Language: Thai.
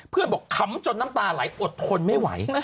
บอกคำจนน้ำตาไหลอดทนไม่ไหว